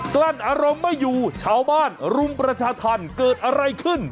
กลั้นอารมณ์ไม่อยู่ชาวบ้านรุมประชาธรรมเกิดอะไรขึ้น